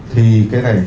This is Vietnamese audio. thì cái này